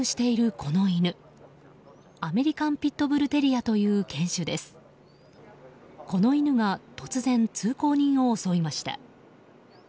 この犬が突然、通行人を襲いました。